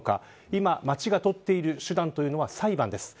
今、町がとっている手段は裁判です。